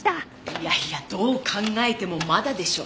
いやいやどう考えてもまだでしょう。